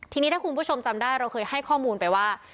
ทีนี้ถ้าคุณผู้ชมจำได้เราเคยให้ข้อมูลไปว่า